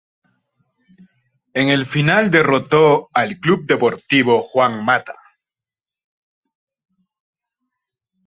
En la final derrotó al Club Deportivo Juan Mata.